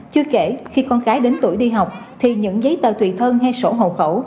chưa kể khi con gái đến tuổi đi học thì những giấy tờ tùy thân hay sổ hộ khẩu